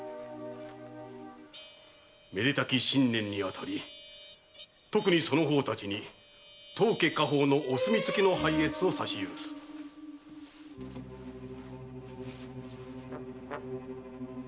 〔めでたき新年にあたり特にその方達に当家家宝のお墨付きの拝謁を差し許す〕